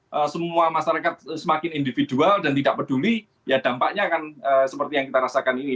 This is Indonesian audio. tanpa ada itu ya semua masyarakat semakin individual dan tidak peduli ya dampaknya akan seperti yang kita rasakan ini